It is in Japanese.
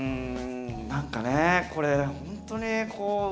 なんかねぇこれほんとにこう。